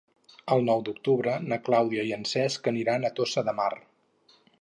El nou d'octubre na Clàudia i en Cesc aniran a Tossa de Mar.